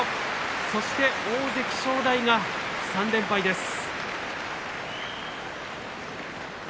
そして大関正代が３連敗です。